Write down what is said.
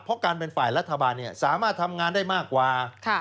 เพราะการเป็นฝ่ายรัฐบาลสามารถทำงานได้มากกว่า